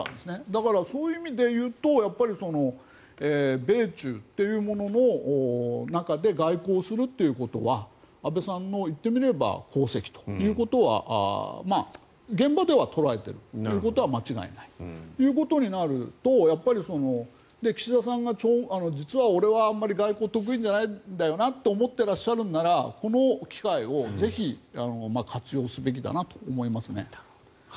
だからそういう意味で言うと米中というものの中で外交するということは安倍さんの言ってみれば功績ということは現場では捉えているということは間違いないということになるとやっぱり岸田さんが実は俺はあんまり外交得意じゃないんだよなって思ってらっしゃるのならばこの機会をぜひ活用すべきだなと思いますね。